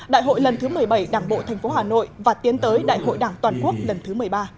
đại hội lần thứ một mươi bảy đảng bộ tp hà nội và tiến tới đại hội đảng toàn quốc lần thứ một mươi ba